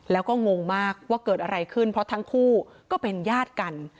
แล้วก็งงมากว่าเกิดอะไรขึ้นเพราะทั้งคู่ก็เป็นญาติกัน